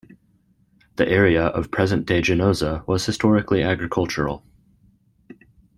The area of present-day Ginoza was historically agricultural.